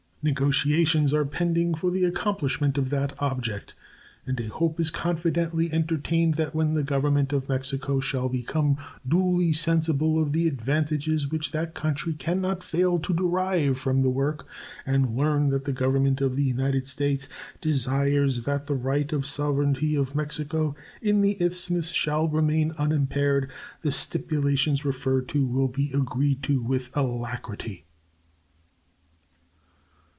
Negotiations are pending for the accomplishment of that object, and a hope is confidently entertained that when the Government of Mexico shall become duly sensible of the advantages which that country can not fail to derive from the work, and learn that the Government of the United States desires that the right of sovereignty of Mexico in the Isthmus shall remain unimpaired, the stipulations referred to will be agreed to with alacrity.